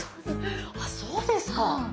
あっそうですか。